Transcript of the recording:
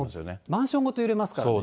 マンションごと揺れますからね。